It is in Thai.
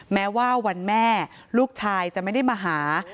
แม้ว่าวันแม่ลูกชายจะไม่ได้มาหา